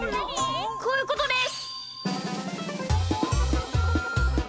こういうことです！